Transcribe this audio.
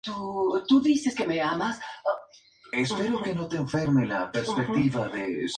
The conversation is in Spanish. El edificio ceremonial es un círculo perfecto así como las estructuras perimetrales.